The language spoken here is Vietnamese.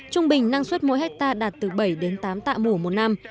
trung bình năng suất mỗi hectare đạt từ bảy đến tám tạ mũ một năm